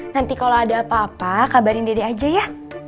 nanti kalau ada apa apa kabarin dede aja ya